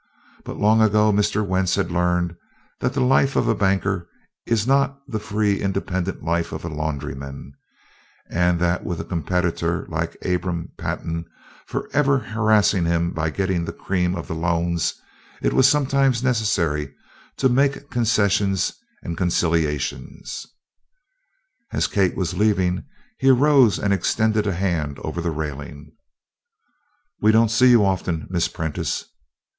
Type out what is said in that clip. But long ago Mr. Wentz had learned that the life of a banker is not the free independent life of a laundryman, and that with a competitor like Abram Pantin forever harassing him by getting the cream of the loans, it was sometimes necessary to make concessions and conciliations. As Kate was leaving, he arose and extended a hand over the railing. "We don't see you often, Miss Prentice."